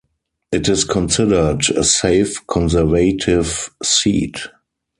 It is considered a safe Conservative seat.